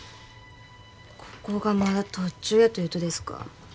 ここがまだ途中やと言うとですか？